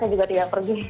saya juga tidak pergi